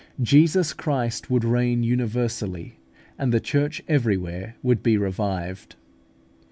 Jesus Christ would reign universally, and the Church everywhere would be revived.